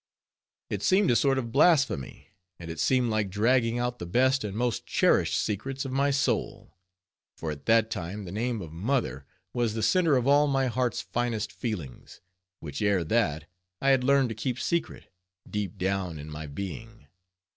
It seemed a sort of blasphemy, and it seemed like dragging out the best and most cherished secrets of my soul, for at that time the name of mother was the center of all my heart's finest feelings, which ere that, I had learned to keep secret, deep down in my being.